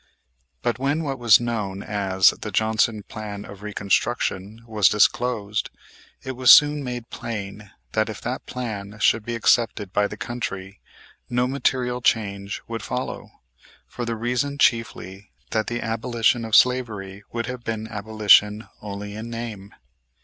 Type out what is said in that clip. But when what was known as the Johnson Plan of Reconstruction was disclosed it was soon made plain that if that plan should be accepted by the country no material change would follow, for the reason, chiefly, that the abolition of slavery would have been abolition only in name.